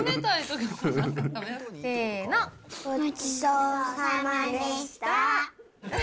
ごちそうさまでした。